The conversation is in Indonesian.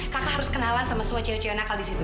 kakak harus kenalan sama semua cewek cewek nakal di situ